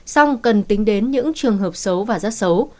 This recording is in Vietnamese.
xong cần tính đến những trường hợp xấu và rất xấu